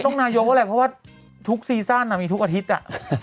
นายกอะไรเพราะว่าทุกซีซั่นมีทุกอาทิตย์อ่ะ